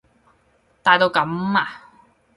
大到噉啊？